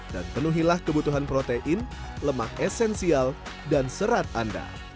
dan penuhilah kebutuhan protein lemak esensial dan serat anda